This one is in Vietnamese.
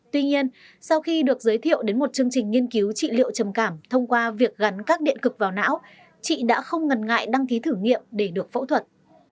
tuy nhiên sau khi được giới thiệu đến một chương trình nghiên cứu trị liệu trầm cảm thông qua việc gắn các điện cực vào não chị đã không ngần ngại đăng ký thử nghiệm để được phẫu thuật